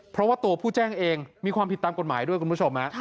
เพราะว่าตัวผู้แจ้งเองมีความผิดตามกฎหมายด้วยคุณผู้ชม